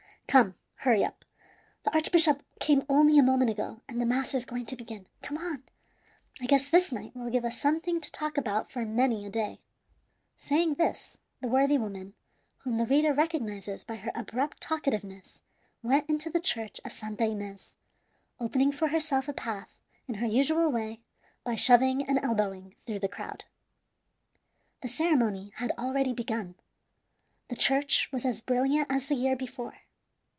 Come, hurry up, the archbishop came only a moment ago, and the mass is going to begin. Come on; I guess this night will give us something to talk about for many a day!" Saying this, the worthy woman, whom the reader recognizes by her abrupt talkativeness, went into the Church of Santa Ines, opening for herself a path, in her usual way, by shoving and elbowing through the crowd. The ceremony had already begun. The church was as brilliant as the year before.